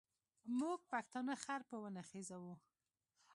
موږ پښتانه خر په ونه خېزوو.